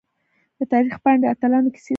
د تاریخ پاڼې د اتلانو کیسې ثبتوي.